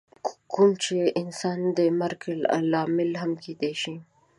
کوم چې انسان د مرګ لامل هم کیدی شي.